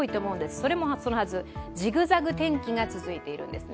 それもそのはず、ジグザグ天気が続いているんですね。